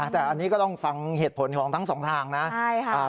แต่อันนี้ก็ต้องฟังเหตุผลของทั้งสองทางนะใช่ค่ะ